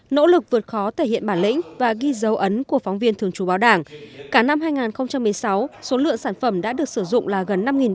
nỗ lực vượt khó thể hiện bản lĩnh và ghi dấu ấn của phóng viên thường chú báo đảng